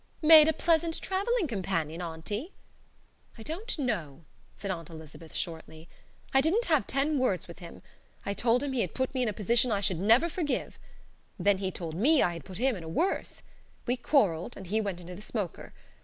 "Made a pleasant travelling companion, Auntie?" "I don't know," said Aunt Elizabeth, shortly. "I didn't have ten words with him. I told him he had put me in a position I should never forgive. Then he told me I had put him in a worse. We quarrelled, and he went into the smoker.